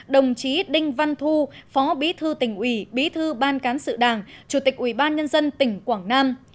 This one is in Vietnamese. đồng chí đinh văn thu phó bí thư tỉnh ủy bí thư ban cán sự đảng chủ tịch ủy ban nhân dân tỉnh quảng nam